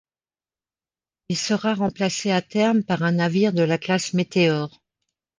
Il sera remplacé à terme par un navire de la classe Météore.